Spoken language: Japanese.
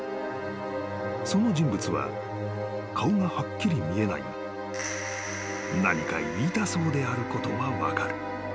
［その人物は顔がはっきり見えないが何か言いたそうであることは分かる］